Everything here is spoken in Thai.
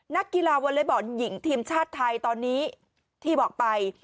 นักกีฬาวอเล็กบอลหญิงทีมชาติไทยตอนนี้ที่บอกไป